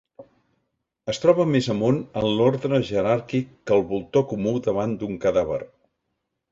Es troba més amunt en l'ordre jeràrquic que el voltor comú davant d'un cadàver.